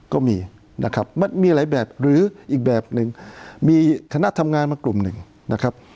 ก็มีนะครับมันมีหลายแบบหรืออีกแบบหนึ่งมีคณะทำงานมากลุ่มหนึ่งนะครับ